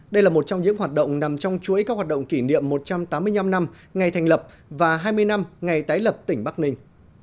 đây là một trong những hoạt động nằm trong chuỗi các hoạt động kỷ niệm một trăm tám mươi năm năm ngày thành lập và hai mươi năm ngày tái lập tỉnh bắc ninh